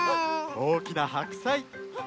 おおきなはくさい。